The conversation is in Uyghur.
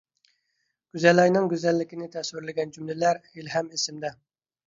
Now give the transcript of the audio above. گۈزەلئاينىڭ گۈزەللىكىنى تەسۋىرلىگەن جۈملىلەر ھېلىھەم ئېسىمدە.